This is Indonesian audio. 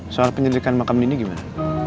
soal penyelidikan makam ini gimana